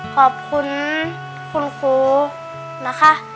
ขอบคุณคุณครูนะคะ